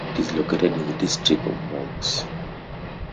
It is located in the district of Morges.